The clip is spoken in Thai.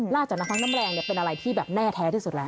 จากน้ำพักน้ำแรงเป็นอะไรที่แบบแน่แท้ที่สุดแล้ว